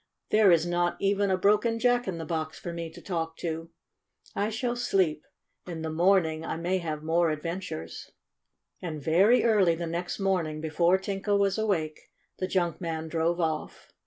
There is not even a broken Jack in the Box for me to talk to. A HAPPY VISIT 103 I shall sleep. In the morning I may have more adventures." And very early the next morning, before Tinka was awake, the junk man drove off.